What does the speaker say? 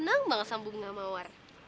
ya udah aku mau ngetir